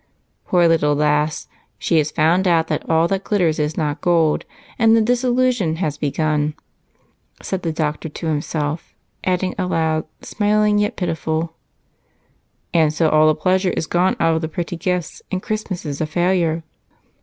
"Poor little lass! She has found out that all that glitters is not gold, and the disillusion has begun," said the doctor to himself, adding aloud, smiling yet pitiful, "And so all the pleasure is gone out of the pretty gifts and Christmas is a failure?"